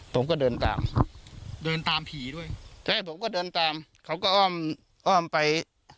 ผมก็เดินตามเดินตามผีด้วยจะให้ผมก็เดินตามเขาก็อ้อมอ้อมไป